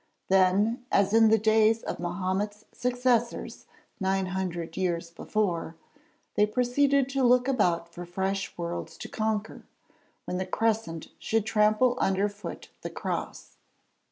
Then, as in the days of Mahomet's successors nine hundred years before, they proceeded to look about for fresh worlds to conquer, when the Crescent should trample underfoot the Cross.